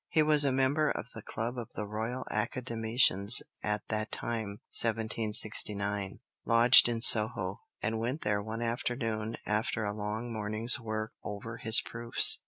He was a member of the club of the Royal Academicians at that time (1769), lodged in Soho, and went there one afternoon after a long morning's work over his proofs.